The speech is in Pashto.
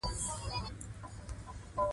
مېلمه ته له خبرو وخت ورکړه.